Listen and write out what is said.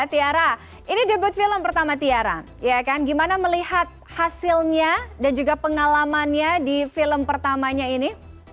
tiara ini debut film pertama tiara gimana melihat hasilnya dan juga pengalamannya di film pertamanya ini